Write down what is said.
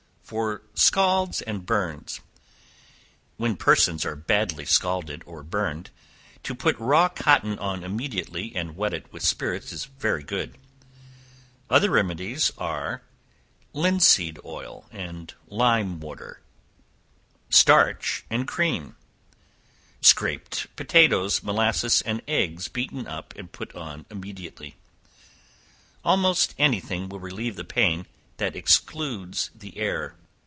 For Scalds and Burns. When persons are badly scalded or burned, to put raw cotton on immediately, and wet it with spirits, is very good; other remedies are, linseed oil and lime water; starch and cream; scraped potatoes, molasses, and eggs beaten up and put on immediately. Almost any thing will relieve the pain, that excludes the air.